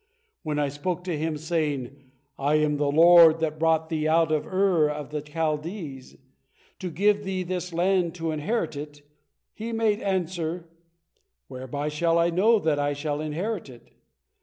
When I spoke to him, saying, 'I am the Lord that brought thee out of Ur of the Chaldees, to give thee this land to inherit it,' he made answer, 'Whereby shall I know that I shall inherit it?'